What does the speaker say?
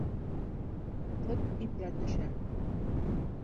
Ҡот имгә төшә.